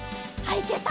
いけた！